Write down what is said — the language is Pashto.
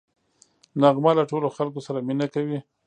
نغمه له ټولو خلکو سره مینه کوي